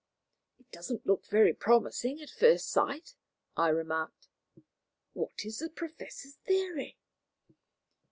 "It doesn't look very promising at first sight," I remarked. "What is the Professor's theory?"